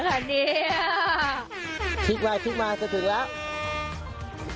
คลิ้กมาจะถึงแล้ว